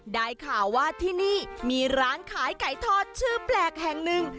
ได้ข่าวว่าที่นี่มีร้านขายไก่ทอดชื่อแปลกแห่งหนึ่ง